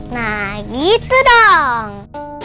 nah gitu dong